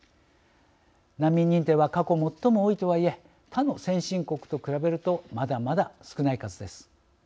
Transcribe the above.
難民認定は過去最も多いとはいえ他の先進国と比べるとまだまだ少ない数です。